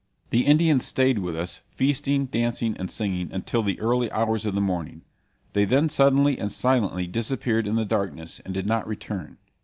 The Indians stayed with us, feasting, dancing, and singing until the early hours of the morning. They then suddenly and silently disappeared in the darkness, and did not return.